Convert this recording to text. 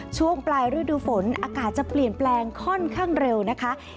ช่วงปลายฤดูฝนอากาศจะเปลี่ยนแปลงค่อนข้างเร็วนะคะ